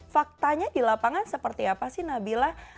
faktanya di lapangan seperti apa sih nabila